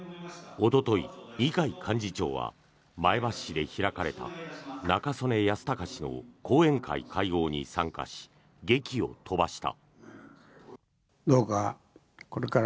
おととい、二階幹事長は前橋市で開かれた中曽根康隆氏の後援会会合に参加し檄を飛ばした。